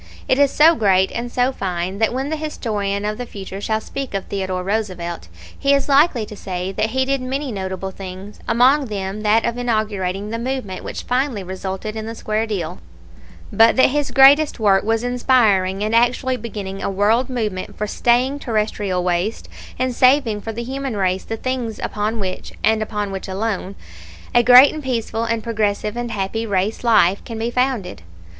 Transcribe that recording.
It is so great and so fine that when the historian of the future shall speak of Theodore Roosevelt he is likely to say that he did many notable things, among them that of inaugurating the movement which finally resulted in the square deal, but that his greatest work was inspiring and actually beginning a world movement for staying terrestrial waste and saving for the human race the things upon which, and upon which alone, a great and peaceful and progressive and happy race life can be founded.